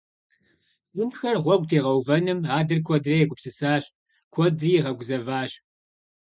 Бынхэр гъуэгу тегъэувэным адэр куэдрэ егупсысащ, куэдри игъэгузэващ.